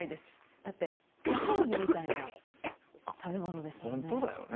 だってご褒美みたいな食べ物ですもんね。